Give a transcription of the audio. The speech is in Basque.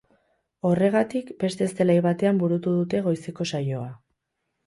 Horregatik beste zelai batean burutu dute goizeko saioa.